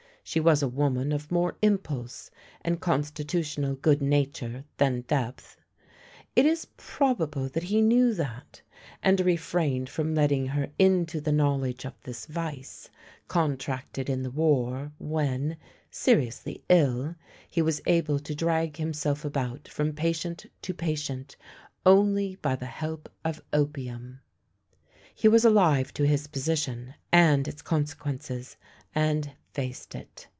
She was a woman of more impulse and constitutional good nature than depth. It is probable that he knew that, and refrained from letting her into the knowledge of this vice, contracted in the war when, seriously ill, he was able to drag him self about from patient to patient only by the help of opium. He was alive to his position and its conse quences, and faced it.